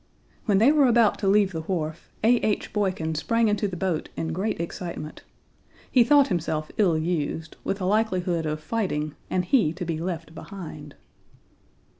When they were about to leave the wharf A. H. Boykin sprang into the boat in great excitement. He thought himself ill used, with a likelihood of fighting and he to be left behind!